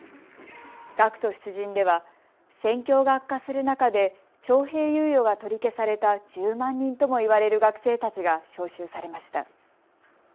学徒出陣では戦況が悪化する中で徴兵猶予が取り消された１０万人ともいわれる学生たちが召集されました。